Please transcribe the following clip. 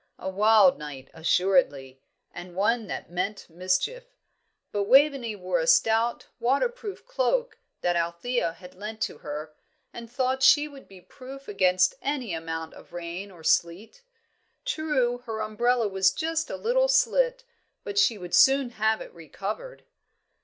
A wild night, assuredly, and one that meant mischief. But Waveney wore a stout waterproof cloak that Althea had lent to her, and thought she would be proof against any amount of rain or sleet. True, her umbrella was just a little slit, but she would soon have it re covered.